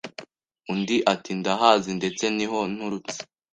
Undi ati “Ndahazi ndetse ni ho nturutse